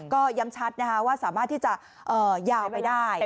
ก็ย้ำชัดว่าสามารถที่จะยาวไปได้